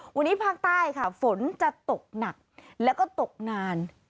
วันนี้ภาคใต้ค่ะฝนจะตกหนักแล้วก็ตกนาน